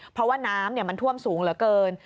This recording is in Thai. เพราะว่าน้ำมันท่วมสูงเหลือเกิน